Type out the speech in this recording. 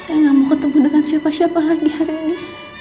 saya nggak mau ketemu dengan siapa siapa lagi hari ini